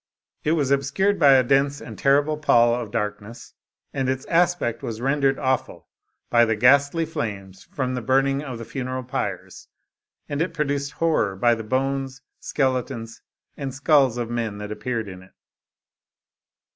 It was obscured by a dense and ter rible pall of darkness, and its aspect was rendered awful by the ghastly flames from the burning of the funeral pyres, and it produced horror by the bones, skeletons, and skulls of men that appeared in it.